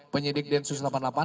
penyidik densus delapan puluh delapan